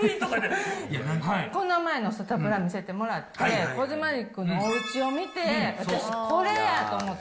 この前のサタプラ見せてもらって、コジマジックのおうちを見て、私、これやと思って。